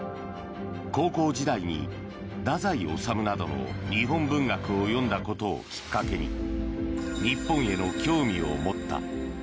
高校時代に太宰治などの日本文学を読んだことをきっかけに日本への興味を持った。